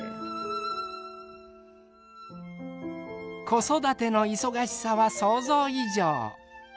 子育ての忙しさは想像以上。